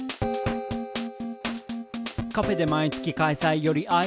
「カフェで毎月開催寄り合い」